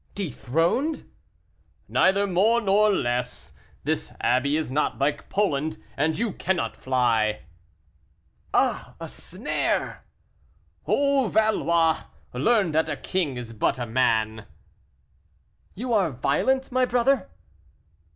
"Dethroned!" "Neither more or less. This abbey is not like Poland, and you cannot fly." "Ah! a snare!" "Oh, Valois, learn that a king is but a man." "You are violent, my brother."